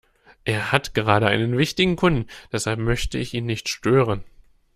Er hat gerade einen wichtigen Kunden, deshalb möchte ich ihn nicht stören.